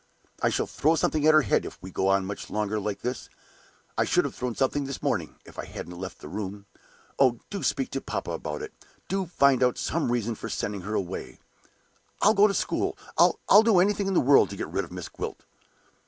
"I shall throw something at her head if we go on much longer like this! I should have thrown something this morning if I hadn't left the room. Oh, do speak to papa about it! Do find out some reason for sending her away! I'll go to school I'll do anything in the world to get rid of Miss Gwilt!"